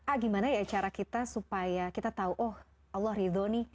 ah gimana ya cara kita supaya kita tahu oh allah ridho nih